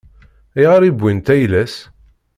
Ayɣer i wwint ayla-s?